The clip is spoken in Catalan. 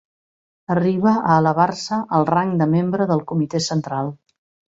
Arriba a elevar-se al rang de membre del Comitè Central.